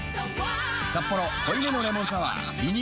「サッポロ濃いめのレモンサワー」リニューアル